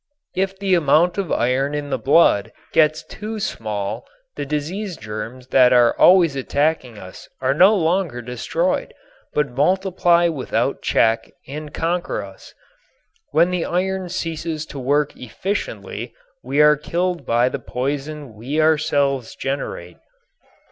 If the amount of iron in the blood gets too small the disease germs that are always attacking us are no longer destroyed, but multiply without check and conquer us. When the iron ceases to work efficiently we are killed by the poison we ourselves generate.